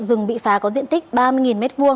rừng bị phá có diện tích ba mươi m hai